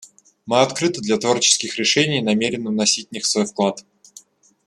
Мы открыты для творческих решений и намерены вносить в них свой вклад.